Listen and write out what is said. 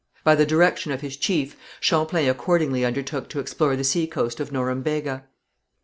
By the direction of his chief, Champlain accordingly undertook to explore the seacoast of Norembega.